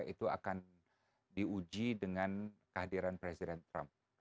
itu akan diuji dengan kehadiran presiden trump